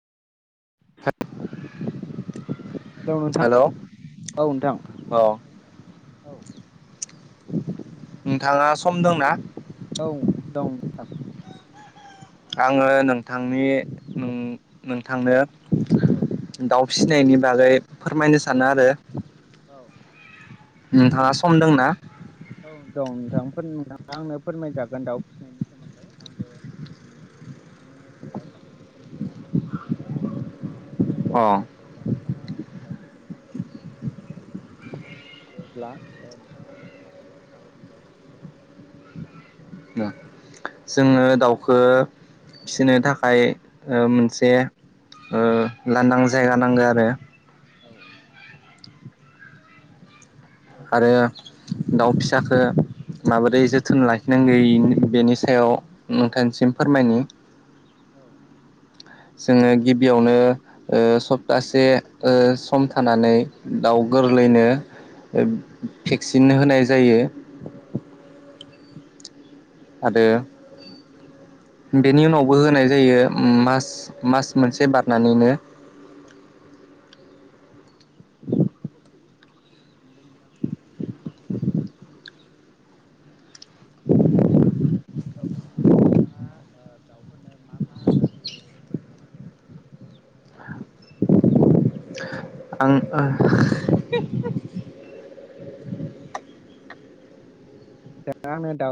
[inaudible] Hello नोंथां औ नोंथां औ औ नोंथाङा सम दंना? औ दं नोंथां। आङो नोंथांनि उम नोंथांनो औ। दाउ फिसिनायनि बागै फोरमायनो औ सानो आरो। औ नोंथाङा सम दंना? औ दं नोंथां नोंथां आंनो फोरमायजागोन दाउ फिसिनायनि सोमोन्दै। आंबो नोंनि दाउ फिसिनायनि सोमोन्दै ओ खोनासंनो आंबो राजि अ अब्ला नोंथाङा आंनो दाउ फिनायनि सोमोन्दै फोरमाय थागोन दे जेब्ला नोंथाङा आंनो फोरमाय नो माबादि दाव फिसियो। जोङो दाउखो फिसिनो औ थाखाय ओ मोनसे से ओ लांदां जायगा नांगौ आरो। औ। औ आरो दाउ फिसाखो औ माबोरै जोथोन लाय नांगौ बेनि सायाव नोंथांसिम फोरमायनि औ। जोङो गिबियावनो ओ सप्तासे ओ सम थानानै दाउ गोरलैयैनो औ भेक्सिन होनाय जायो। औ। आरो बेनि उनावबो होनाय जायो मास मास मोनसे बारनानैनो। औ नोंगौ नोंथां। [inaudible] औ नोंथाङा ओ दाउफोरनो मा मा आदार होयो एसे फोरमायनो हागोन नामा। [inaudible] आं ओ हेल' नोंथां दा आंनो दाउ